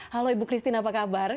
halo ibu christine apa kabar